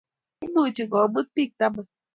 Imuchi komuut bik taman